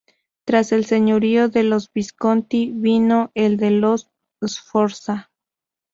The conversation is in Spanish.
Tras el señorío de los Visconti vino el de los Sforza.